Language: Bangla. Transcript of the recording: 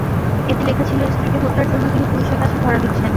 এতে লেখা ছিল, স্ত্রীকে হত্যার জন্য তিনি পুলিশের কাছে ধরা দিচ্ছেন।